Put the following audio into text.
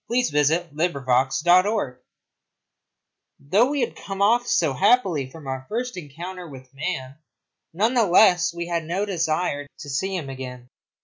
CHAPTER IV THE FOREST FIRE Though we had come off so happily from our first encounter with man, none the less we had no desire to see him again.